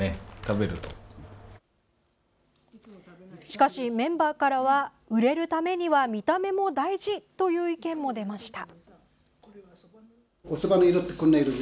しかし、メンバーからは売れるためには見た目も大事という意見も出ました。